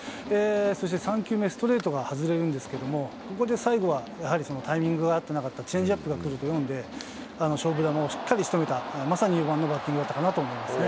そして３球目、ストレートが外れるんですけれども、ここで最後はやはりタイミングが合ってなかったチェンジアップが来るとよんで、勝負球をしっかりしとめた、まさに４番のバッティングだったかなと思います。